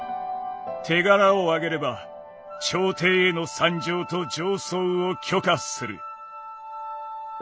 「手柄をあげれば朝廷への参上と上奏を許可する」。